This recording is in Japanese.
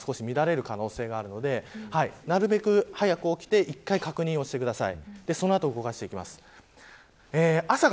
交通機関が少し乱れる可能性があるのでなるべく早く起きて１回確認してください。